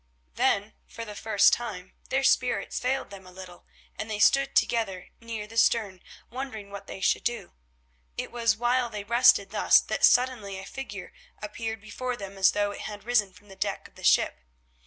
Then, for the first time, their spirits failed them a little, and they stood together near the stern wondering what they should do. It was while they rested thus that suddenly a figure appeared before them as though it had risen from the deck of the ship.